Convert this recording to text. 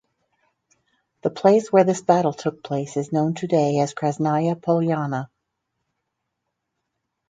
The place where this battle took place is known today as Krasnaya Polyana.